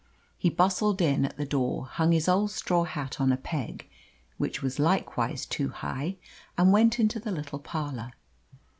He bustled in at the door, hung his old straw hat on a peg, which was likewise too high, and went into the little parlour.